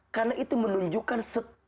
karena itu menunjukkan